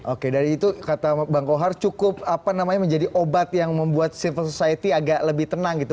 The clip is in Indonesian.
oke dari itu kata bang kohar cukup apa namanya menjadi obat yang membuat civil society agak lebih tenang gitu